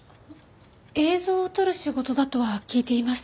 映像を撮る仕事だとは聞いていましたけど。